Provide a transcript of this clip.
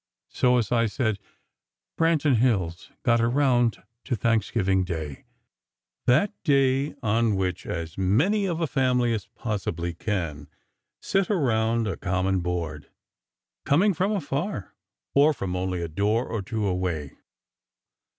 So, as I said, Branton Hills got around to Thanksgiving Day; that day on which as many of a family as possibly can should sit around a common board; coming from afar, or from only a door or two away.